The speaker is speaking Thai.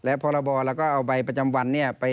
และพรบแล้วก็เอาใบประจำวัน